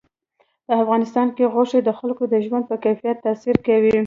په افغانستان کې غوښې د خلکو د ژوند په کیفیت تاثیر کوي.